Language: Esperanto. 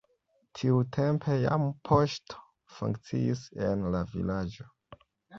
Tiutempe jam poŝto funkciis en la vilaĝo.